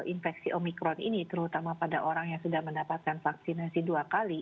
infeksi omikron ini terutama pada orang yang sudah mendapatkan vaksinasi dua kali